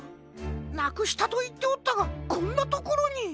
なくしたといっておったがこんなところに。